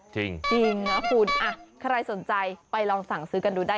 จริงนะคุณใครสนใจไปลองสั่งซื้อกันดูได้